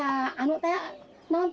apa itu pak